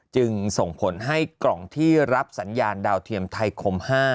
จึงส่งผลให้กล่องที่รับสัญญาณดาวเทียมไทยคม๕